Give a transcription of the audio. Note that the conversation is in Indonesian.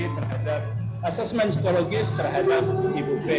terhadap asesmen psikologis terhadap ibu p